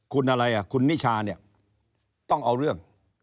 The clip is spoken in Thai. คุณอะไรคุณนิชาต้องเอาเรื่อง